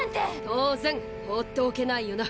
当然ほうっておけないよな。